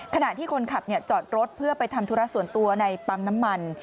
ขณะที่คนขับจอดรถเพื่อไปทำธุระส่วนตัวในปั๊มน้ำมัน